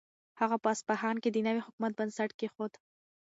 هغه په اصفهان کې د نوي حکومت بنسټ کېښود.